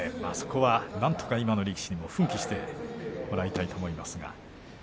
なんとか今の力士にも奮起してもらいたいと思いますが。